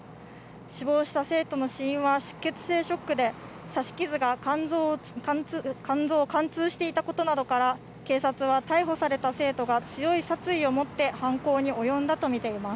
死亡した生徒の死因は出血性ショックで、刺し傷が肝臓を貫通していたことなどから、警察は逮捕された生徒が、強い殺意を持って犯行に及んだと見ています。